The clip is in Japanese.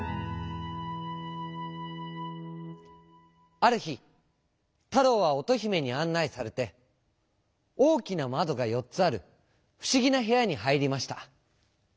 あるひたろうはおとひめにあんないされておおきなまどがよっつあるふしぎなへやにはいりました。